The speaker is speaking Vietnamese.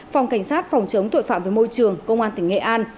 phòng cảnh sát phòng chống tội phạm với môi trường công an tỉnh nghệ an